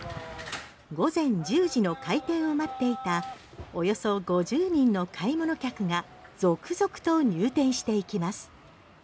午前１０時の開店を待っていたおよそ５０人の買い物客が続々と入店していきます。